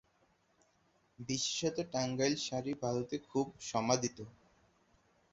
বিশেষত টাঙ্গাইল শাড়ি ভারতে খুব সমাদৃত।